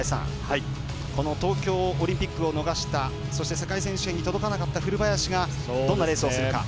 この東京オリンピックを逃したそして世界選手権に届かなかった古林がどんなレースをするか。